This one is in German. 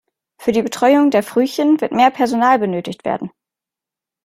Für die Betreuung der Frühchen wird mehr Personal benötigt werden.